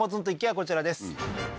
こちらです